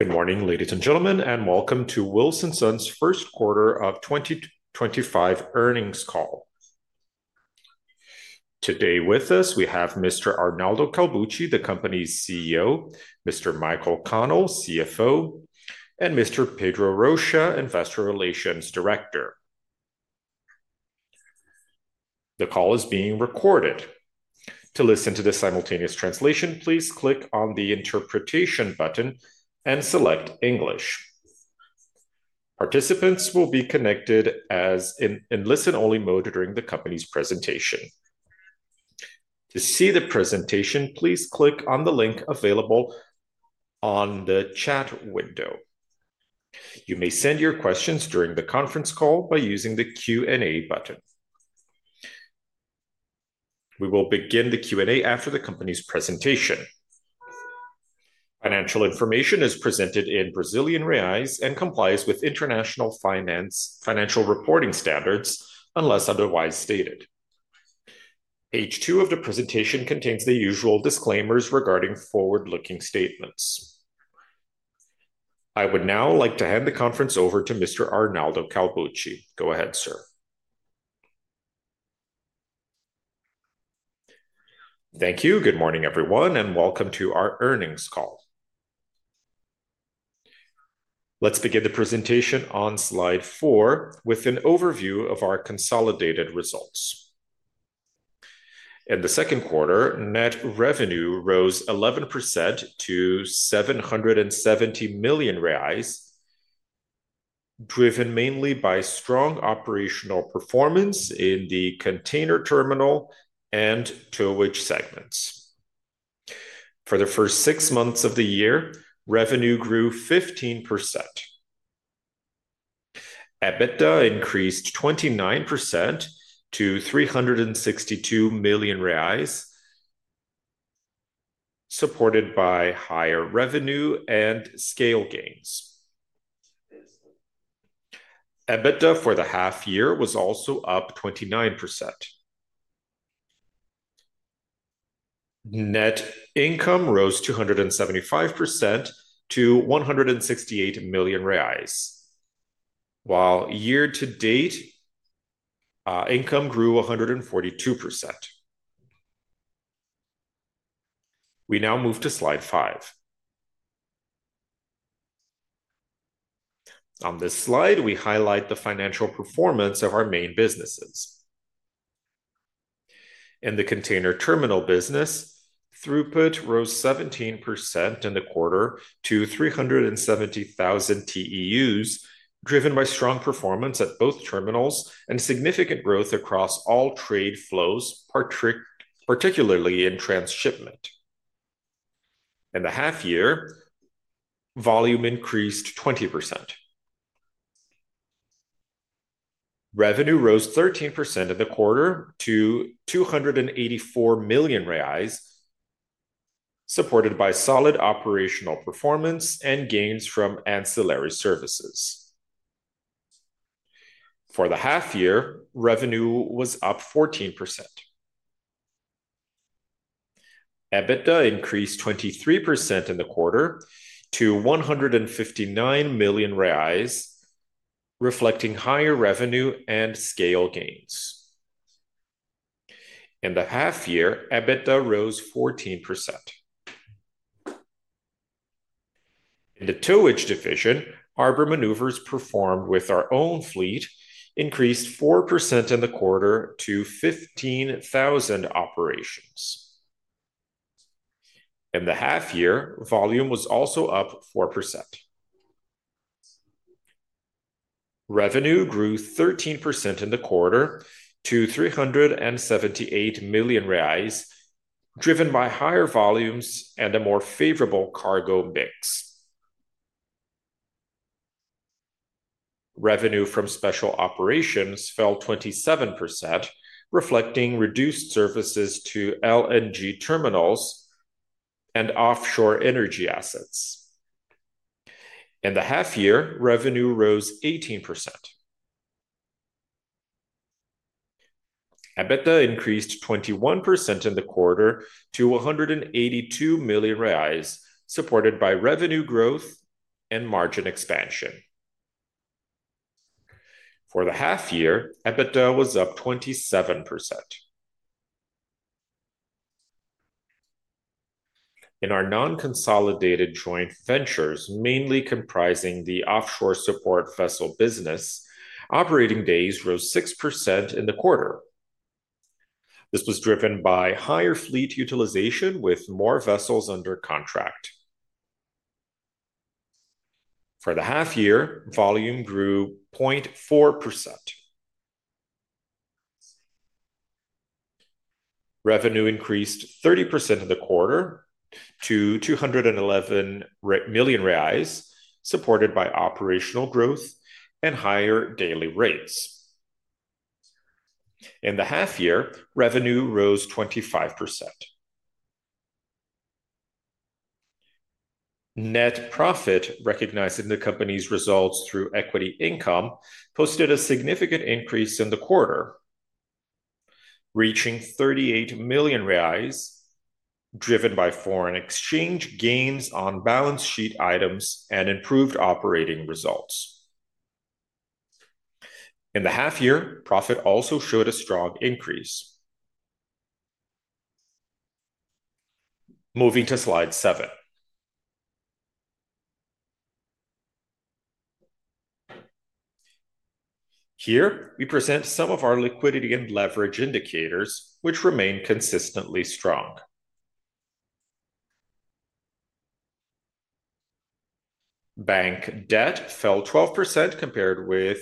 Good morning, ladies and gentlemen, and welcome to Wilson Sons First Quarter of 2025 Earnings Call. Today with us, we have Mr. Arnaldo Calbucci, the company's CEO, Mr. Michael Connell, CFO, and Mr. Pedro Rocha, Investor Relations Director. The call is being recorded. To listen to the simultaneous translation, please click on the interpretation button and select English. Participants will be connected in listen-only mode during the company's presentation. To see the presentation, please click on the link available in the chat window. You may send your questions during the conference call by using the Q&A button. We will begin the Q&A after the company's presentation. Financial information is presented in Brazilian reais and complies with International Financial Reporting Standards unless otherwise stated. Page 2 of the presentation contains the usual disclaimers regarding forward-looking statements. I would now like to hand the conference over to Mr. Arnaldo Calbucci. Go ahead, sir. Thank you. Good morning, everyone, and welcome to our earnings call. Let's begin the presentation on slide 4 with an overview of our consolidated results. In the second quarter, consolidated net revenue rose 11% to 770 million reais, driven mainly by strong operational performance in the container terminal services and towage services segments. For the first six months of the year, revenue grew 15%. EBITDA increased 29% to 362 million reais, supported by higher revenue and scale gains. EBITDA for the half-year was also up 29%. Net income rose 275% to BRL 168 million, while year-to-date income grew 142%. We now move to slide 5. On this slide, we highlight the financial performance of our main businesses. In the container terminal services business, throughput rose 17% in the quarter to 370,000 TEUs, driven by strong performance at both terminals and significant growth across all trade flows, particularly in transshipment activity. In the half-year, volume increased 20%. Revenue rose 13% in the quarter to 284 million reais, supported by solid operational performance and gains from ancillary services. For the half-year, revenue was up 14%. EBITDA increased 23% in the quarter to 159 million reais, reflecting higher revenue and scale gains. In the half-year, EBITDA rose 14%. In the towage services division, maneuvers performed with our own fleet increased 4% in the quarter to 15,000 operations. In the half-year, volume was also up 4%. Revenue grew 13% in the quarter to 378 million reais, driven by higher volumes and a more favorable cargo mix. Revenue from special operations fell 27%, reflecting reduced services to LNG terminals and offshore energy assets. In the half-year, revenue rose 18%. EBITDA increased 21% in the quarter to 182 million reais, supported by revenue growth and margin expansion. For the half-year, EBITDA was up 27%. In our non-consolidated joint ventures, mainly comprising the offshore support vessel business, operating days rose 6% in the quarter. This was driven by higher fleet utilization with more vessels under contract. For the half-year, volume grew 0.4%. Revenue increased 30% in the quarter to 211 million reais, supported by operational growth and higher daily rates. In the half-year, revenue rose 25%. Net profit, recognizing the company's results through equity income, posted a significant increase in the quarter, reaching 38 million reais, driven by foreign exchange gains on balance sheet items and improved operating results. In the half-year, profit also showed a strong increase. Moving to slide 7. Here, we present some of our liquidity and leverage indicators, which remain consistently strong. Bank debt fell 12% compared with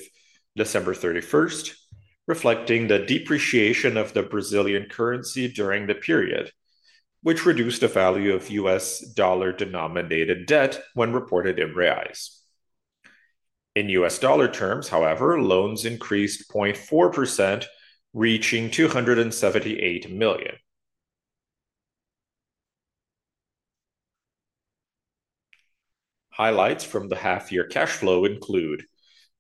December 31st, reflecting the depreciation of the Brazilian currency during the period, which reduced the value of U.S. dollar denominated debt when reported in reais. In U.S. dollar terms, however, loans increased 0.4%, reaching $278 million. Highlights from the half-year cash flow include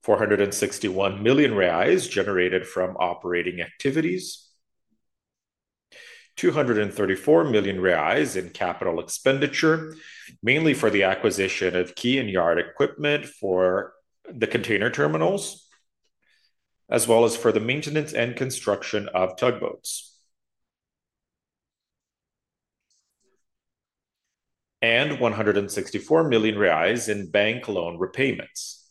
461 million reais generated from operating activities, 234 million reais in capital expenditure, mainly for the acquisition of key and yard equipment for the container terminals, as well as for the maintenance and construction of tugboats, and 164 million reais in bank loan repayments.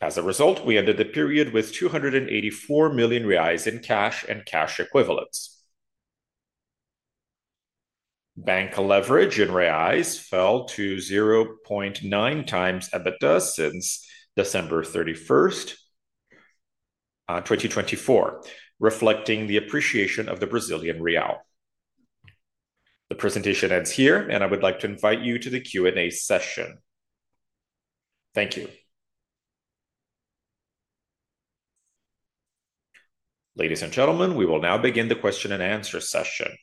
As a result, we ended the period with 284 million reais in cash and cash equivalents. Bank leverage in reais fell to 0.9x EBITDA since December 31st, 2024, reflecting the appreciation of the Brazilian real. The presentation ends here, and I would like to invite you to the Q&A session. Thank you. Ladies and gentlemen, we will now begin the question and answer session.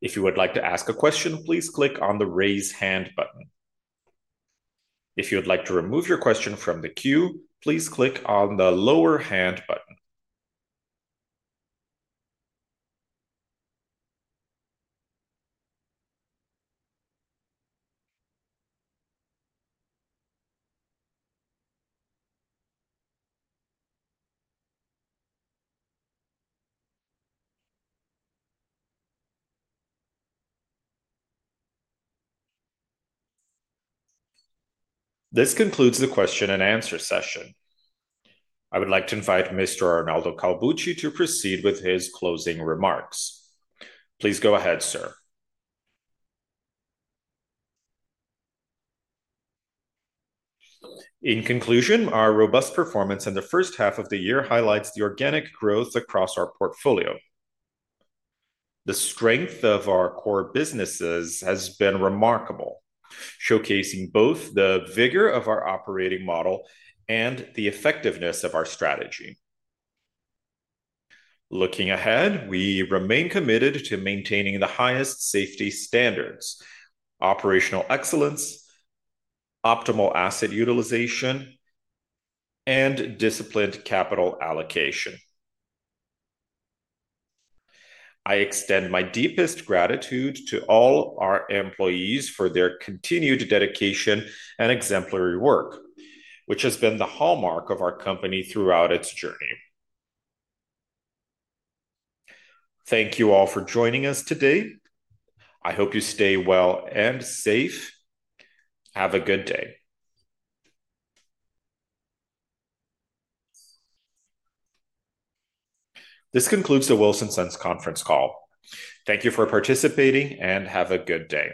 If you would like to ask a question, please click on the raise hand button. If you would like to remove your question from the queue, please click on the lower hand button. This concludes the question and answer session. I would like to invite Mr. Arnaldo Calbucci to proceed with his closing remarks. Please go ahead, sir. In conclusion, our robust performance in the first half of the year highlights the organic growth across our portfolio. The strength of our core businesses has been remarkable, showcasing both the vigor of our operating model and the effectiveness of our strategy. Looking ahead, we remain committed to maintaining the highest safety standards, operational excellence, optimal asset utilization, and disciplined capital allocation. I extend my deepest gratitude to all our employees for their continued dedication and exemplary work, which has been the hallmark of our company throughout its journey. Thank you all for joining us today. I hope you stay well and safe. Have a good day. This concludes the Wilson Sons conference call. Thank you for participating and have a good day.